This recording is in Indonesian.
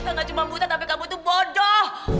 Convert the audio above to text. saya gak cuma buta tapi kamu tuh bodoh